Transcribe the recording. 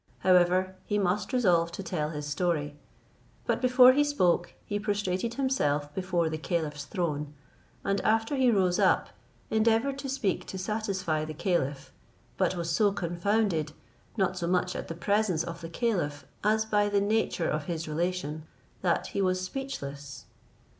However, he must resolve to tell his story; but before he spoke, he prostrated himself before the caliph's throne, and after he rose up, endeavoured to speak to satisfy the caliph, but was so confounded, not so much at the presence of the caliph, as by the nature of his relation, that he was speechless.